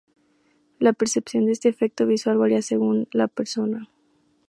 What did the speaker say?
La percepción de este efecto visual varía según la persona.